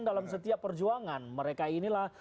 dalam setiap perjuangan mereka inilah